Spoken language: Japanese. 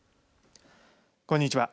こんにちは。